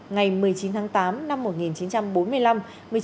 ngày một mươi chín tháng tám năm một nghìn chín trăm bốn mươi năm